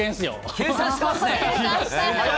計算してますね。